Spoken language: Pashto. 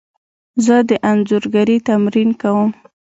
زه د انځورګري تمرین کوم.